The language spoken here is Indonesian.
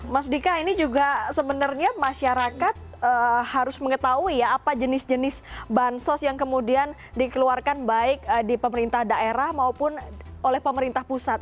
mas dika ini juga sebenarnya masyarakat harus mengetahui ya apa jenis jenis bansos yang kemudian dikeluarkan baik di pemerintah daerah maupun oleh pemerintah pusat